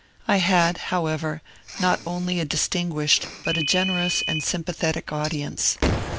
I had, however, not only a distinguished but a gen* erous and sympathetic audience.